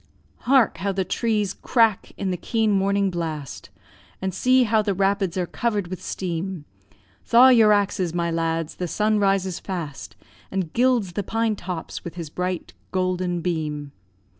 &c. Hark! how the trees crack in the keen morning blast, And see how the rapids are cover'd with steam; Thaw your axes, my lads, the sun rises fast, And gilds the pine tops with his bright golden beam.